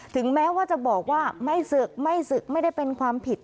ถึงแม้ว่าจะบอกว่าไม่ศึกไม่ศึกไม่ได้เป็นความผิด